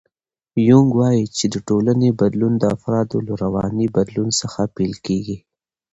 یونګ وایي چې د ټولنې بدلون د افرادو له رواني بدلون څخه پیل کېږي.